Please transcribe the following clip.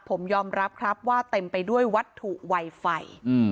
ผมยอมรับครับว่าเต็มไปด้วยวัตถุไวไฟ